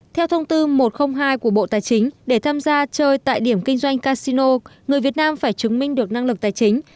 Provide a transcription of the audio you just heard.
theo thông tư một trăm linh hai của bộ tài chính để tham gia chơi tại điểm kinh doanh casino người việt nam phải chứng minh được năng lực tài chính